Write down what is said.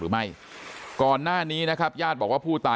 คือป้าไปดูครั้งแรกคิดว่าเขาเมาคือป้าไปดูครั้งแรกคิดว่าเขาเมา